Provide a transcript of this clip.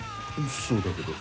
そうだけど。